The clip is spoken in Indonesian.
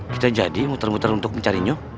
kita jadi muter muter untuk mencarinya